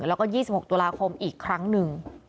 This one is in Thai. แล้วก็๒๖ตุลาคมอีกครั้งหนึ่ง